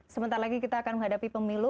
sebentar lagi kita akan menghadapi pemilu